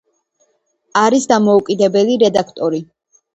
არის დამოუკიდებელი რედაქტორი.